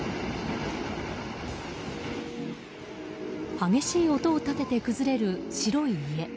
激しい音を立てて崩れる白い家。